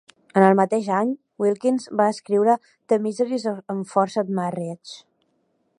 En el mateix any, Wilkins va escriure "The Miseries of Enforced Marriage".